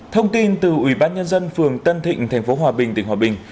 thông tin từ ủy ban nhân dân phường tân thịnh tp hòa bình tỉnh hòa bình